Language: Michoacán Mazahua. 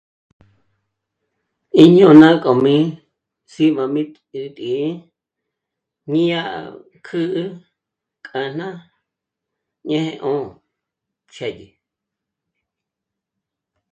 Í ñö́na kojme sí màmit e t'i e mí 'a kjǚ'ü k'ana ñé 'o xë́dyi